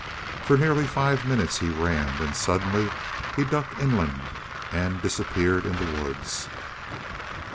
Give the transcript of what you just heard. For nearly five minutes he ran; then suddenly he ducked inland and disappeared in the woods.